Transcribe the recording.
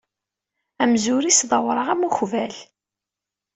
Amzur-is d awraɣ am ukbal.